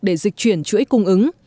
để dịch chuyển chuỗi cung ứng